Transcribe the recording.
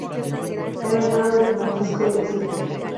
Era hermano de Francisco Lesmes.